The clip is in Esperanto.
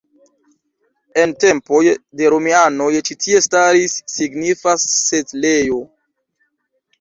En tempoj de romianoj ĉi tie staris signifa setlejo.